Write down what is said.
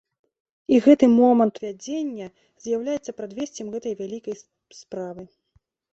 І гэты момант увядзення з'яўляецца прадвесцем гэтай вялікай справы.